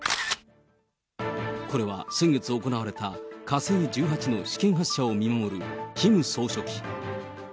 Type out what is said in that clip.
これは先月行われた火星１８の試験発射を見守るキム総書記。